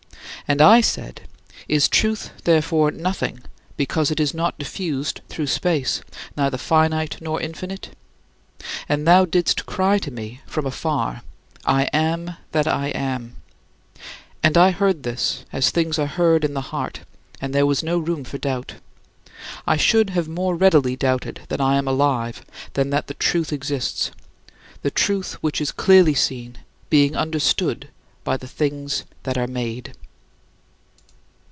And I said, "Is Truth, therefore, nothing, because it is not diffused through space neither finite nor infinite?" And thou didst cry to me from afar, "I am that I am." And I heard this, as things are heard in the heart, and there was no room for doubt. I should have more readily doubted that I am alive than that the Truth exists the Truth which is "clearly seen, being understood by the things that are made."